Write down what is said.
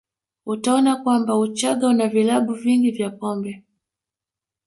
Utaona kwamba Uchaga una vilabu vingi vya pombe